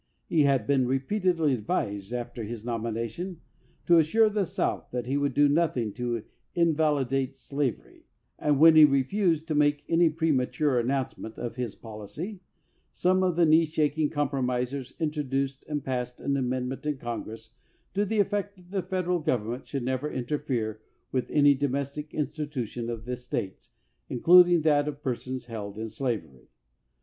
He had been repeatedly advised, after his nomination, to assure the South that he would do nothing to in validate slavery, and when he refused to make any premature announcement of his policy, some of the knee shaking compromisers introduced and passed an amendment in Congress to the effect that the Federal Government should never interfere with any domestic institution of the States, including that of persons held in slavery.